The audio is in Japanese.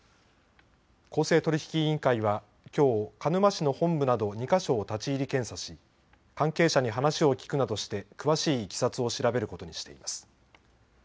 公正取引委員会はきょう、鹿沼市の本部など２か所を立ち入り検査し関係者に話を聞くなどして詳しいいきさつを調べることにしています。